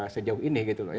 sejauh ini gitu loh